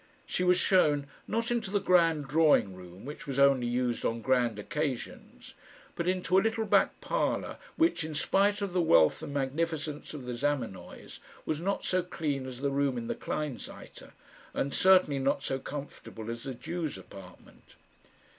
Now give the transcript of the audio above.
She was shown, not into the grand drawing room, which was only used on grand occasions, but into a little back parlour which, in spite of the wealth and magnificence of the Zamenoys, was not so clean as the room in the Kleinseite, and certainly not so comfortable as the Jew's apartment.